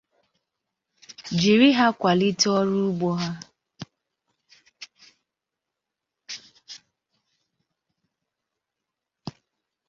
jiri ha kwàlite ọrụ ugbo ha